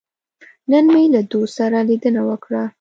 نن مې له دوست سره لیدنه وکړه.